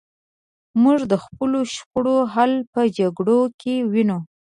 موږ د خپلو شخړو حل په جګړو کې وینو.